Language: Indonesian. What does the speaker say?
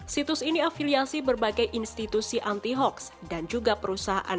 situs ini afiliasi berbagai institusi anti hoax dan juga perusahaan